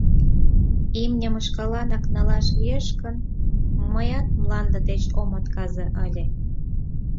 — Имньым шкаланак налаш лиеш гын, мыят мланде деч ом отказе ыле.